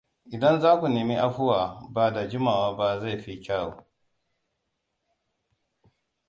Idan za ku nemi afuwa, ba da jimawa ba zai fi kyau.